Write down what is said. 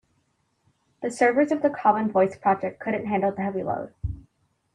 The servers of the common voice project couldn't handle the heavy load.